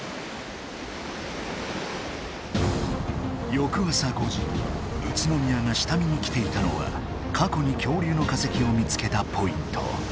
よく朝５時宇都宮が下見に来ていたのはかこに恐竜の化石を見つけたポイント。